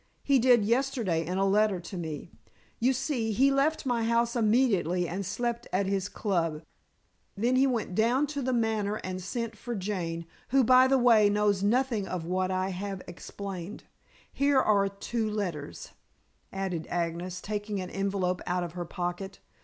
He did yesterday in a letter to me. You see, he left my house immediately and slept at his club. Then he went down to The Manor and sent for Jane, who, by the way, knows nothing of what I have explained. Here are two letters," added Agnes, taking an envelope out of her pocket.